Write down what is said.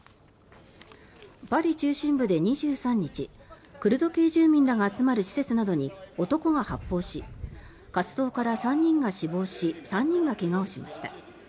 パリ中心部で２３日クルド系住民らが集まる施設などに男が発砲し活動家ら３人が死亡し３人が怪我をしました。